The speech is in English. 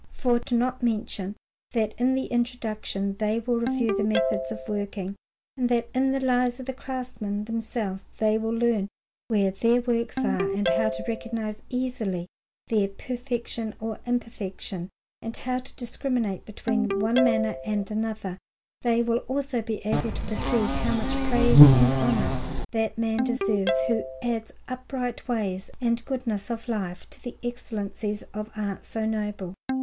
For not to mention that in the Introduction they will review the methods of working, and that in the Lives of the craftsmen themselves they will learn where their works are, and how to recognize easily their perfection or imperfection and to discriminate between one manner and another, they will also be able to perceive how much praise and honour that man deserves who adds upright ways and goodness of life to the excellencies of arts so noble.